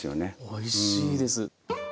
おいしいです。